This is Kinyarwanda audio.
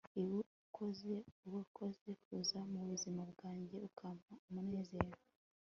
ibi urakoze urakoze kuza mubuzima bwanjye ukampa umunezero